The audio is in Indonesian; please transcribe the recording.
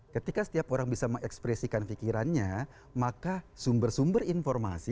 ketika setiap orang bisa mengekspresikan pikirannya maka sumber sumber informasi